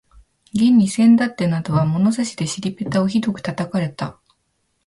現にせんだってなどは物差しで尻ぺたをひどく叩かれた